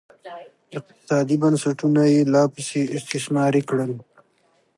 اقتصادي بنسټونه یې لاپسې استثماري کړل